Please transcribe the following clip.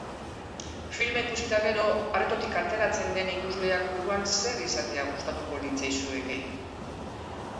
Filma ikusi eta gero aretotik ateratzen den ikusleak buruan zer izatea gustatuko litzaizueke?